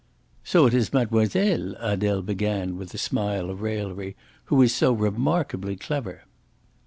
"So it is mademoiselle," Adele began, with a smile of raillery, "who is so remarkably clever."